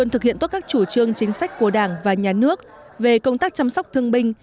thực hiện tốt các chủ trương chính sách của đảng và nhà nước về công tác chăm sóc thương binh